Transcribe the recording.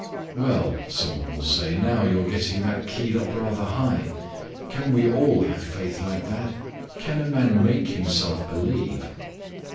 "Well," some one will say, "now you are getting that keyed up rather high. Can we all have faith like that? Can a man make himself believe?"